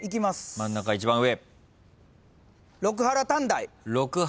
真ん中一番上。